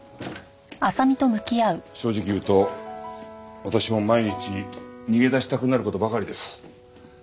正直言うと私も毎日逃げ出したくなる事ばかりです。